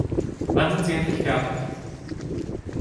Wann sind Sie endlich fertig?